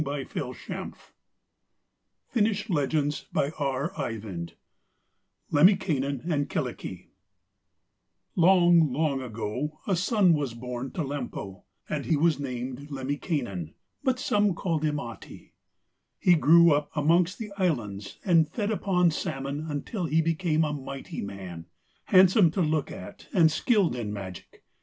So the old man began as follows: LEMMINKAINEN AND KYLLIKKI Long, long ago a son was born to Lempo, and he was named Lemminkainen, but some call him Ahti. He grew up amongst the islands and fed upon the salmon until he became a mighty man, handsome to look at and skilled in magic.